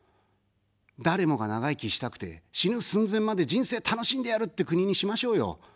誰もが長生きしたくて、死ぬ寸前まで人生楽しんでやるって国にしましょうよ。